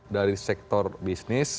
dari sektor bisnis